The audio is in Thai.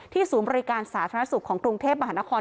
ศูนย์บริการสาธารณสุขของกรุงเทพมหานคร